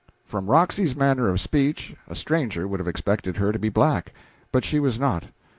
From Roxy's manner of speech, a stranger would have expected her to be black, but she was not.